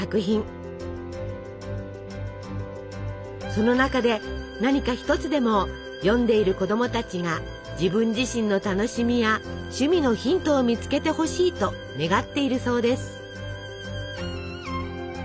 その中で何か一つでも読んでいる子供たちが自分自身の楽しみや趣味のヒントを見つけてほしいと願っているそうです。